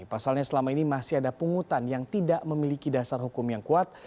pasalnya selama ini masih ada pungutan yang tidak memiliki dasar hukum yang kuat